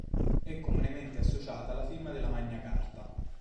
È comunemente associata alla firma della Magna Carta.